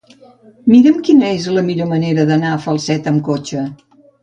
Mira'm quina és la millor manera d'anar a Falset amb cotxe.